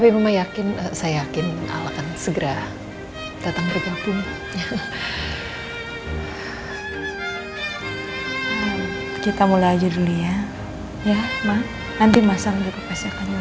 itu ya aku statementnya untuknu